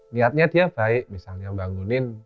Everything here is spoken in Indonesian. lihatnya tiap baik misalnya bangunin